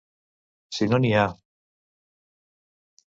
Si no n'hi ha.